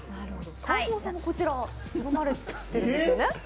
川島さんもこちら飲まれたんですよね？